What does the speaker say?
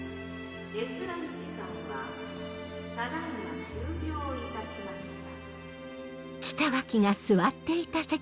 閲覧時間はただ今終了いたしました。